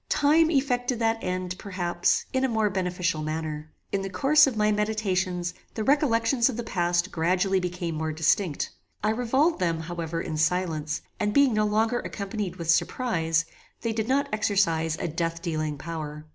Time effected that end, perhaps, in a more beneficial manner. In the course of my meditations the recollections of the past gradually became more distinct. I revolved them, however, in silence, and being no longer accompanied with surprize, they did not exercise a death dealing power.